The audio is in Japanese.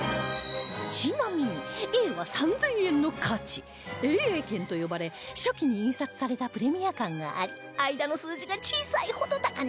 ちなみに Ａ は３０００円の価値 ＡＡ 券と呼ばれ初期に印刷されたプレミア感があり間の数字が小さいほど高値がつくのだそう